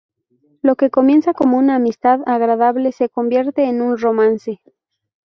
Lo que comienza como una amistad agradable se convierte en un romance.